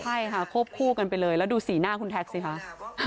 ใช่ค่ะควบคู่กันไปเลยแล้วดูสีหน้าคุณแท็กสิคะ